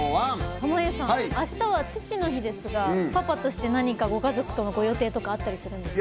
濱家さん、あしたは父の日ですがパパとして何かご家族との予定あったりするんですか？